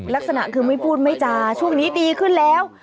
ลักษณะคือไม่พูดไม่จาช่วงนี้ดีขึ้นแล้ว